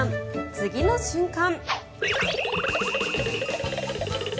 次の瞬間。